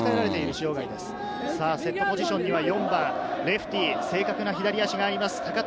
セットポジションには４番レフティー、正確な左足があります鷹取。